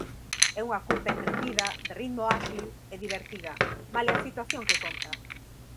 É unha curta entretida, de ritmo áxil, e divertida malia a situación que conta.